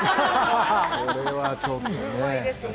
これはちょっとね。